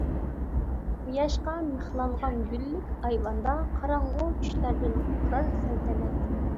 قۇياشقا مىخلانغان گۈللۈك ئايۋاندا قاراڭغۇ چۈشلەردىن قۇترار سەلتەنەت.